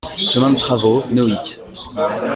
Chemin de Travaux, Nohic